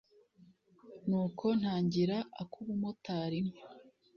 nuko ntangira ak’ubumotari ntyo